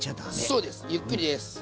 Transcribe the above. そうですゆっくりです。